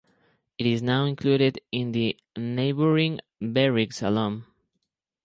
It is now included in the neighbouring Berrick Salome.